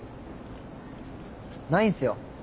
ないんすよ